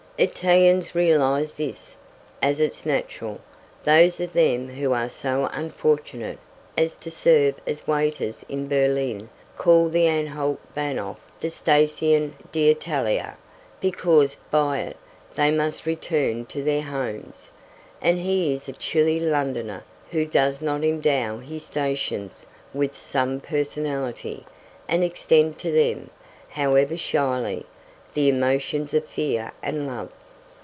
Italians realize this, as is natural; those of them who are so unfortunate as to serve as waiters in Berlin call the Anhalt Bahnhof the Stazione d'Italia, because by it they must return to their homes. And he is a chilly Londoner who does not endow his stations with some personality, and extend to them, however shyly, the emotions of fear and love.